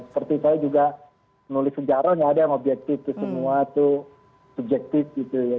seperti saya juga menulis sejarah nggak ada yang objektif semua itu subjektif gitu ya